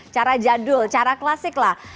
cara jadul cara klasik lah